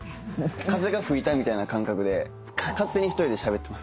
風が吹いたみたいな感覚で勝手に１人でしゃべってます。